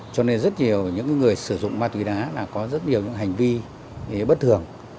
cho nên rất nhiều những người sử dụng ma tuy đá là có rất nhiều hành vi bất thường